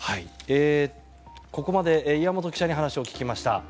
ここまで岩本記者に話を聞きました。